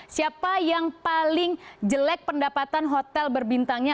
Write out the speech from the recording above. siapa yang paling jelek pendapatan hotel berbintangnya